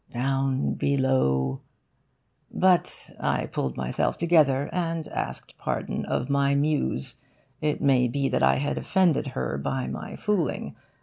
Down below,' but I pulled myself together, and asked pardon of my Muse. It may be that I had offended her by my fooling.